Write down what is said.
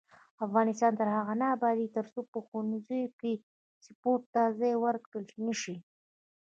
افغانستان تر هغو نه ابادیږي، ترڅو په ښوونځیو کې سپورت ته ځای ورکړل نشي.